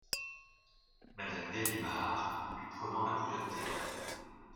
Madame Galimard , lui prenant la bouillotte des mains.